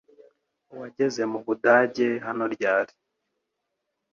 Wageze mu budage hano ryari?